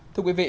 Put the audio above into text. thưa quý vị